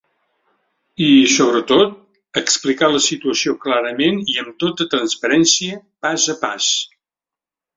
I, sobretot, explicar la situació clarament i amb tota transparència, pas a pas.